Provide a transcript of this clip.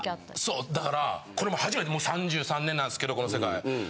そうだからこれもうはじめて３３年なんすけどこの世界。